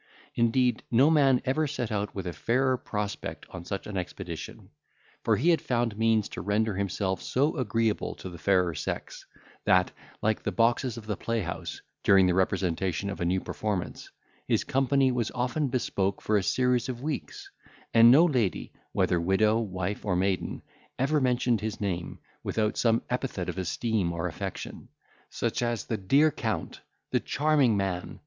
Indeed, no man ever set out with a fairer prospect on such an expedition; for he had found means to render himself so agreeable to the fair sex, that, like the boxes of the playhouse, during the representation of a new performance, his company was often bespoke for a series of weeks; and no lady, whether widow, wife, or maiden, ever mentioned his name, without some epithet of esteem or affection; such as the dear Count! the charming Man!